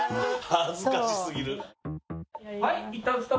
恥ずかしすぎる。